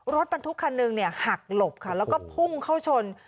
รถบรรทุกคันหนึ่งหักหลบค่ะแล้วก็พุ่งเข้าชน